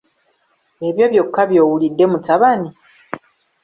Ebyo byokka by'owulidde mutabani?